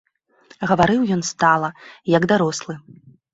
Гаварыў ён стала, як дарослы.